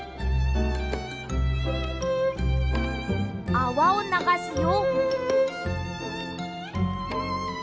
あわをながすよ。